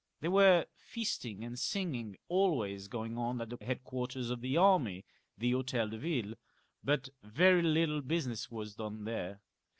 There were feasting and singing always going on at the headquarters of the army, the Hotel de Yille, but very little business was done there.